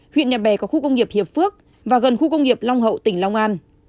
huyện nhà bè có khu công nghiệp hiệp phước và gần khu công nghiệp long hậu tỉnh long an